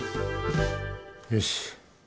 よし。